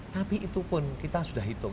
tapi itu pun kita sudah hitung